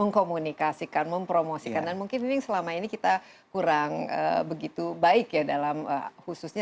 mengkomunikasikan mempromosikan dan mungkin selama ini kita kurang begitu baik ya dalam khususnya